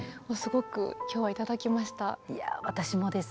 いやぁ私もです。